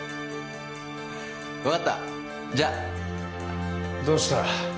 分かったじゃあどうした？